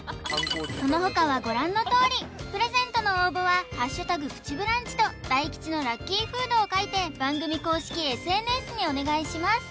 そのほかはご覧のとおりプレゼントの応募は「＃プチブランチ」と大吉のラッキーフードを書いて番組公式ＳＮＳにお願いします